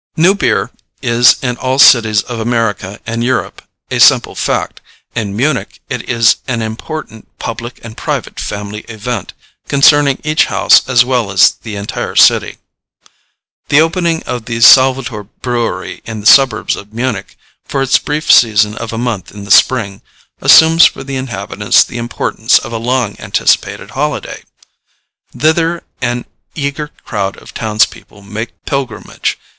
New beer is in all cities of America and Europe a simple fact. In Munich it is an important public and private family event, concerning each house as well as the entire city. The opening of the Salvator brewery in the suburbs of Munich, for its brief season of a month in the spring, assumes for the inhabitants the importance of a long anticipated holiday. Thither an eager crowd of townspeople make pilgrimage.